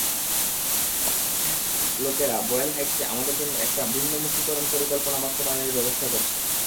পাপির লোকেরা বয়েল হাইটসে আমাদের জন্য একটা ভিন্নমুখীকরণ পরিকল্পনা বাস্তবায়নের ব্যবস্থা করছে।